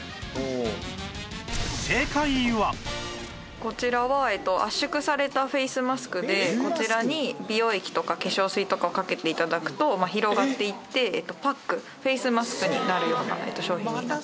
こちらは圧縮されたフェイスマスクでこちらに美容液とか化粧水とかをかけて頂くと広がっていってパックフェイスマスクになるような商品になっています。